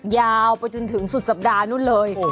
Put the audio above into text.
มาถึงสุดสัปดาห์นู้นเลย